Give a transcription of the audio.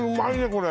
これ。